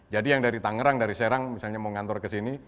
jadi yang dari tangerang dari serang misalnya mau ngantor ke sini